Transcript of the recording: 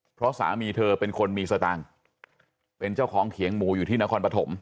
เพราะสามีเธอเป็นคนมีสตางค์เป็นเจ้าของเขียงหมูอยู่ที่นครปฐม